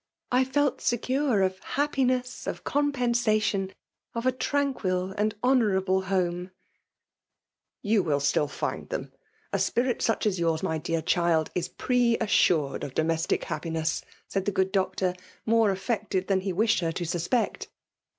I felt secure 6( happiness, of compensation, of a tranquil and honourable home/' '' You will still find them. A Spirit such as yours, my dear child, is pre assured of domestic happiness," said the good Doctor, more aflfecteci than he wished her to suspect.